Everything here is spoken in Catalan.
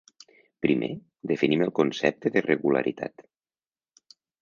Primer, definim el concepte de regularitat.